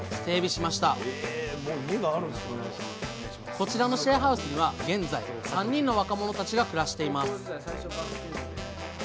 こちらのシェアハウスには現在３人の若者たちが暮らしています